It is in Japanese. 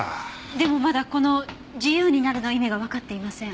でもまだこの「自由になる」の意味がわかっていません。